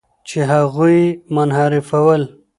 چې هغوی یې منحرفول.